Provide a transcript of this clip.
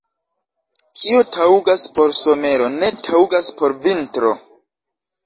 Kio taŭgas por somero, ne taŭgas por vintro.